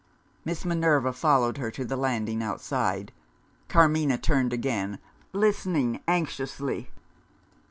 Miss Minerva followed her to the landing outside. Carmina turned again, listening anxiously.